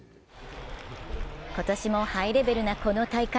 今年もハイレベルなこの大会。